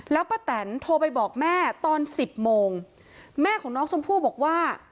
แล้วป้าแตนโทรไปบอกแม่ตอนสิบโมงแม่ของน้องชมพู่บอกว่า